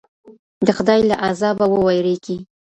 د خدای له عذابه وویریږئ.